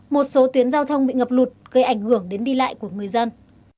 một số tuyến giao thông bị ngập lụt gây ảnh hưởng đến đi lại của người dân